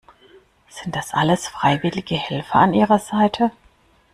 Sind das alles freiwillige Helfer an ihrer Seite?